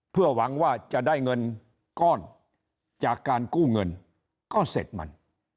เพื่อหวังว่าจะได้เงินก้อนจากการกู้เงินก็เสร็จมัน